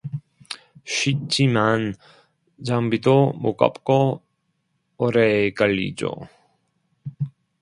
쉽지만 장비도 무겁고 오래 걸리죠